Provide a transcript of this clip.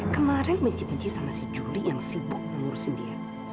kemarin mencik mencik sama si juli yang sibuk mengurusin dia